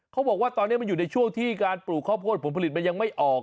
เขาบอกว่าตอนนี้มันอยู่ในช่วงที่การปลูกข้าวโพดผลผลิตมันยังไม่ออก